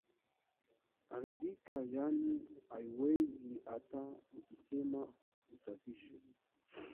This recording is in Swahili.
haribika yaani haiwezi hata ukisema uisafishe